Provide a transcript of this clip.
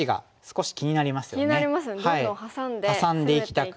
気になりますねどんどんハサんで攻めていきたく。